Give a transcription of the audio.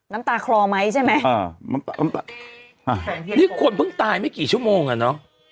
น้ำตาคลอไหมใช่ไหมอ่าน้ำตาน้ำตาอ่ะนี่คนเพิ่งตายไม่กี่ชั่วโมงอ่ะเนาะ